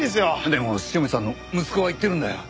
でも塩見さんの息子が言ってるんだよ